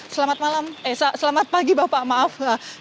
selamat malam esa selamat pagi bapak maaf